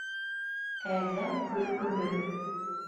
Әҙәм көлкөһө.